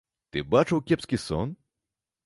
Ты бачыў кепскі сон?